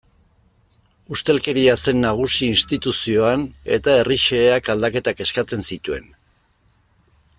Ustelkeria zen nagusi instituzioan eta herri xeheak aldaketak eskatzen zituen.